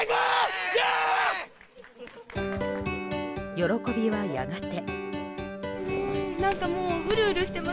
喜びは、やがて。